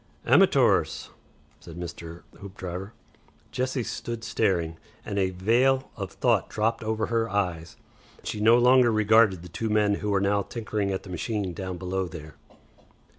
"Amatoors," said Mr. Hoopdriver. Jessie stood staring, and a veil of thought dropped over her eyes. She no longer regarded the two men who were now tinkering at the machine down below there.